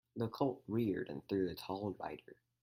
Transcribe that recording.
The colt reared and threw the tall rider.